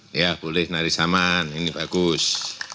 nari saman ya boleh nari saman ini bagus